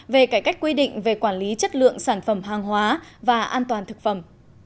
về cải cách quy định về quản lý chất lượng sản phẩm hàng hóa và an toàn thực phẩm